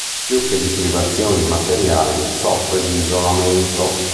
Più che di privazioni materiali, soffre di isolamento.